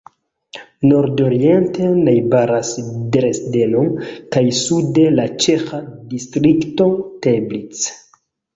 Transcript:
Nordoriente najbaras Dresdeno kaj sude la ĉeĥa distrikto Teplice.